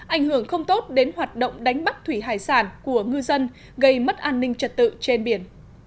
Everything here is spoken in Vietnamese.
ảnh hưởng không tốt đến hoạt động đánh bắt thủy hải sản của ngư dân gây mất an ninh trật tự trên biển